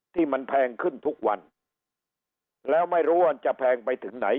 ที่มันแพงขึ้นทุกวันแล้วไม่รู้ว่ามันจะแพงไปถึงไหน